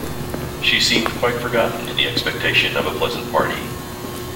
She seemed quite forgotten in the expectation of a pleasant party.